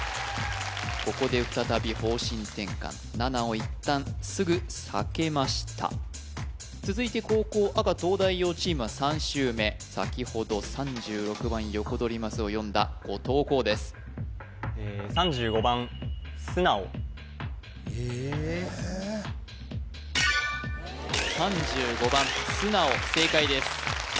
ここで再び方針転換７をいったんすぐ避けました続いて後攻赤東大王チームは３周目先ほど３６番ヨコドリマスを読んだ後藤弘ですえ３５番すなお正解です